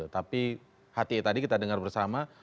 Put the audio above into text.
tapi hati hati tadi kita dengar bersama